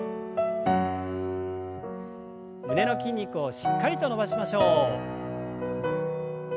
胸の筋肉をしっかりと伸ばしましょう。